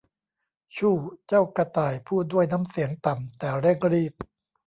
ชู่ว เจ้ากระต่ายพูดด้วยน้ำเสียงต่ำแต่เร่งรีบ